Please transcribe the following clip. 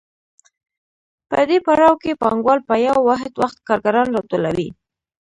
په دې پړاو کې پانګوال په یو واحد وخت کارګران راټولوي